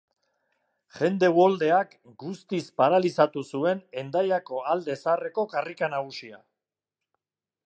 Jende uholdeak guztiz paralizatu zuen Hendaiako alde zaharreko karrika nagusia.